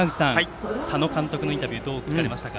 佐野監督のインタビューはどう聞かれましたか？